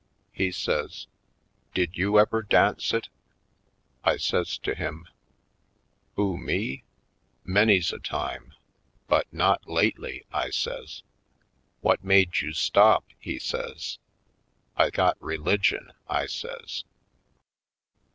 He says: *'Did you ever dance it?" I says to him: "Who, me? Many's a time. But not lately," I says. "What made you stop?" he says. "I got religion," I says.